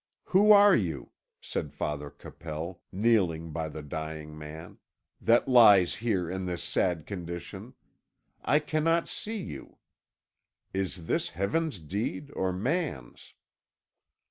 "Who are you?" said Father Capel, kneeling by the dying man, "that lies here in this sad condition? I cannot see you. Is this Heaven's deed, or man's?"